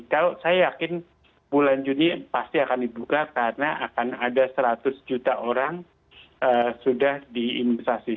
kalau saya yakin bulan juni pasti akan dibuka karena akan ada seratus juta orang sudah diinvestasi